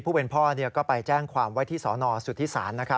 ผู้เป็นพ่อก็ไปแจ้งความไว้ที่สนสุธิศาล